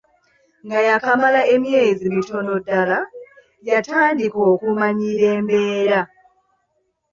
Nga yakamala emyezi mitono ddala, y’atandika okumanyiira embeera.